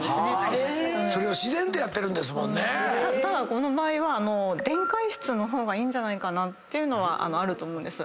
ただこの場合は電解質の方がいいんじゃないかっていうのはあると思うんです。